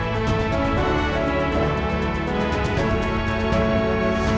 padat hingga kumuh